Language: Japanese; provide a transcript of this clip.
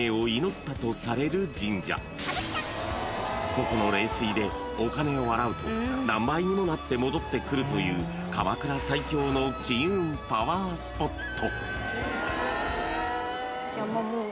［ここの霊水でお金を洗うと何倍にもなって戻ってくるという鎌倉最強の金運パワースポット］